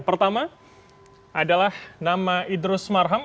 pertama adalah nama idrus marham